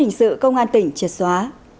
hình sự công an tỉnh triệt xóa